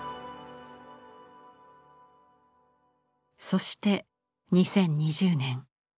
そして２０２０年。